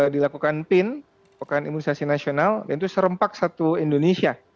dua ribu lima dua ribu enam dilakukan pin pekan imunisasi nasional dan itu serempak satu indonesia